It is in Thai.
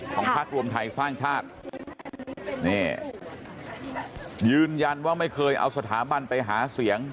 ภาครวมไทยสร้างชาตินี่ยืนยันว่าไม่เคยเอาสถาบันไปหาเสียง